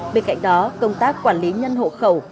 bên cạnh đó công tác quản lý nhân hộ khẩu